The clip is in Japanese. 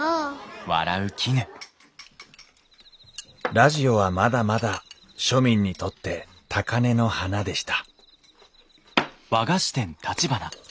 ラジオはまだまだ庶民にとって高根の花でした